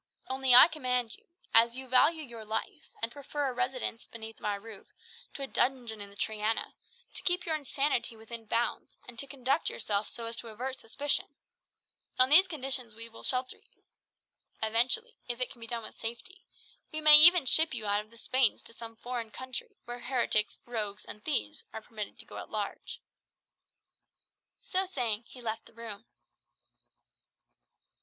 Only I command you, as you value your life, and prefer a residence beneath my roof to a dungeon in the Triana, to keep your insanity within bounds, and to conduct yourself so as to avert suspicion. On these conditions we will shelter you. Eventually, if it can be done with safety, we may even ship you out of the Spains to some foreign country, where heretics, rogues, and thieves are permitted to go at large." So saying, he left the room.